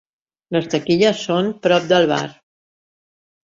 Les taquilles són prop del bar.